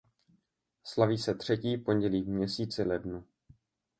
Slaví se třetí pondělí v měsíci lednu.